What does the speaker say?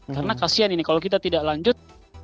karena kasian ini kalau kita tidak lanjut